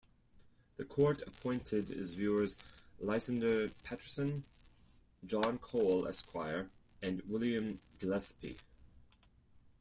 The court appointed as viewers Lysander Patterson, John Cole, Esquire, and William Gillespie.